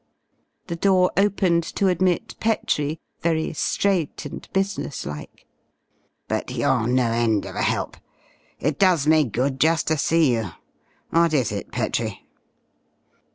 The door opened to admit Petrie, very straight and business like. "But you're no end of a help. It does me good just to see you. What is it, Petrie?"